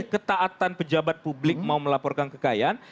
ketaatan pejabat publik mau melaporkan kekayaan